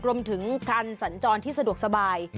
รวมถึงการสัญจรที่สะดวกสบาย